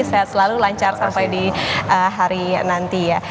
sehat selalu lancar sampai di hari nanti ya